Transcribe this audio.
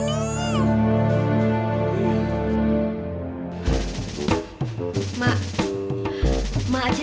siapa sih yang dateng